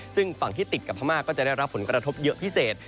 ซึ่งฝั่งที่ติดกับพม่าก็จะได้รับผลกระทบเยอะพิเศษ